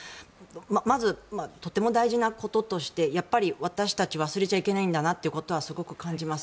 まず、とても大事なこととして私たち忘れちゃいけないんだなということはすごく感じます。